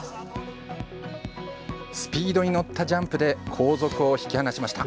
スピードに乗ったジャンプで後続を引き離しました。